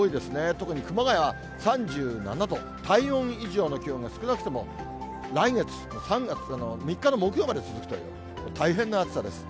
特に熊谷は３７度、体温以上の気温が少なくとも来月、８月の３日の木曜まで続くという、大変な暑さです。